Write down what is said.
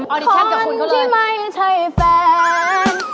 อดิชั่นกับคุณเขาเลยที่ไม่ใช่แฟน